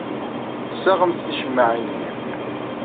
Tessaɣemt ticemmaɛin-nni.